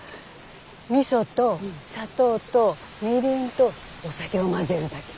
みそと砂糖とみりんとお酒を混ぜるだけ。